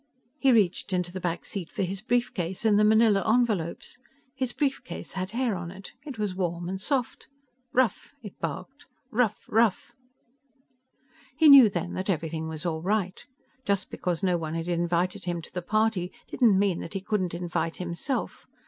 He reached into the back seat for his brief case and the manila envelopes. His brief case had hair on it. It was soft and warm. "Ruf," it barked. "Ruf ruf!" He knew then that everything was all right. Just because no one had invited him to the party didn't mean that he couldn't invite himself.